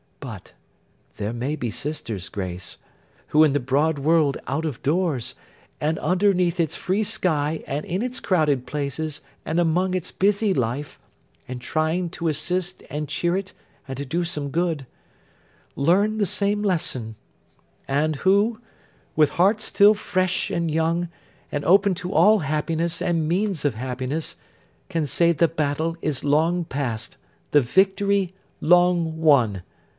But, there may be sisters, Grace, who, in the broad world out of doors, and underneath its free sky, and in its crowded places, and among its busy life, and trying to assist and cheer it and to do some good,—learn the same lesson; and who, with hearts still fresh and young, and open to all happiness and means of happiness, can say the battle is long past, the victory long won.